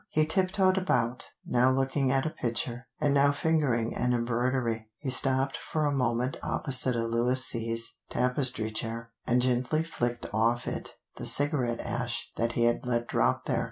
He tiptoed about, now looking at a picture, and now fingering an embroidery. He stopped for a moment opposite a Louis Seize tapestry chair, and gently flicked off it the cigarette ash that he had let drop there.